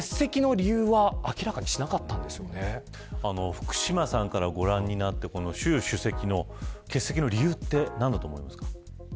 福島さんからご覧になって習主席の欠席の理由って何だと思いますか。